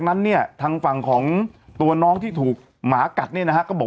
เรื่องราวเป็นไงพูดสิ